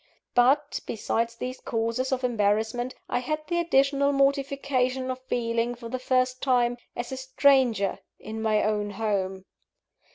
But, besides these causes of embarrassment, I had the additional mortification of feeling, for the first time, as a stranger in my own home.